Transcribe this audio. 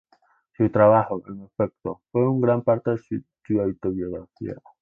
Su trabajo, en efecto, fue en gran parte su autobiografía.